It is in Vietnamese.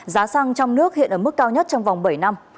giá xăng trong nước hiện ở mức cao nhất trong vòng bảy năm